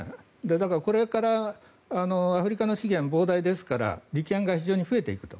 だからこれからアフリカの資源膨大ですから利権が非常に増えていくと。